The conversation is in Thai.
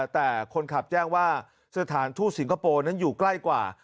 แต่คนขับแจ้งว่าสถานทูตสิงคโปร์นั้นอยู่ใกล้กว่า